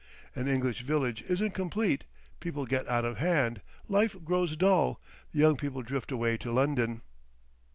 An English village isn't complete—People get out of hand. Life grows dull. The young people drift away to London."